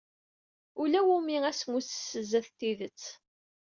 Ulawumi asmusses zdat tidett.